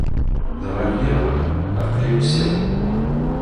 Dɣa nniɣ: Aql-i usiɣ-d.